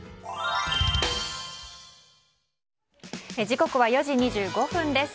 時刻は４時２５分です。